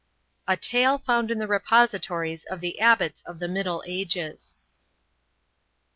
A TALE FOUND IN THE REPOSITORIES OF THE ABBOTS OF THE MIDDLE AGES.